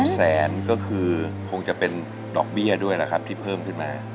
แสนก็คือคงจะเป็นดอกเบี้ยด้วยล่ะครับที่เพิ่มขึ้นมา